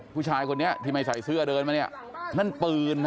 ผู้ชายคนนี้ที่ไม่ใส่เสื้อเดินมาเนี่ยนั่นปืนนะ